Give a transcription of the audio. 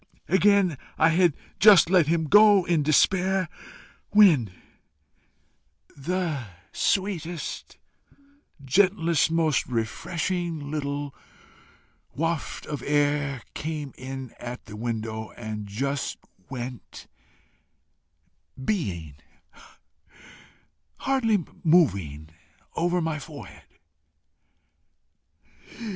Again I had just let him go in despair, when the sweetest, gentlest, most refreshing little waft of air came in at the window and just went BEING, hardly moving, over my forehead.